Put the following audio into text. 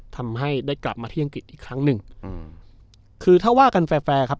ทำให้ได้กลับมาที่อังกฤษอีกครั้งหนึ่งอืมคือถ้าว่ากันแฟร์แฟร์ครับ